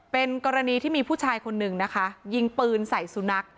เป็นกรณีที่มีผู้ชายคนหนึ่งนะคะยิงปืนใส่สุนัข